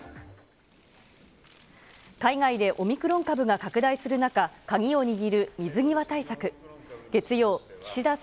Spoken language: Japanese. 海外でオミクロン株が拡大する中、鍵を握る水際対策。